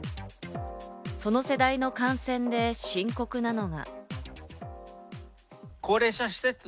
その世代の感染で深刻なのが。